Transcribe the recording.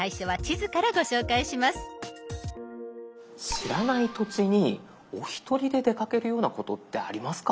知らない土地にお一人で出かけるようなことってありますか？